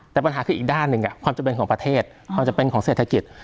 แต่ปัญหาคืออีกด้านหนึ่งความจำเป็นของประเทศความจำเป็นของเศรษฐกิจ